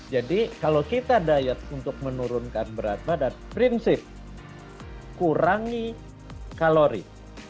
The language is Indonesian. jadi kalau kita diet untuk menurunkan berat badan prinsip kurangi kalori